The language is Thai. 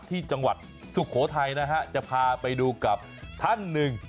ที่จังหวัดสุโขทัยนะฮะจะพาไปดูกับท่านหนึ่ง